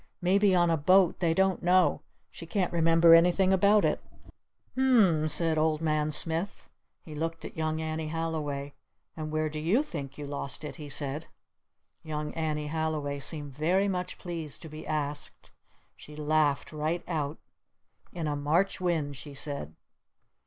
Maybe on a boat! They don't know! She can't remember anything about it." "U m m," said Old Man Smith. He looked at Young Annie Halliway. "And where do you think you lost it?" he said. Young Annie Halliway seemed very much pleased to be asked. She laughed right out. "In a March wind!" she said.